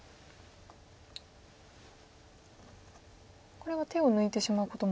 これは手を抜いてしまうことも。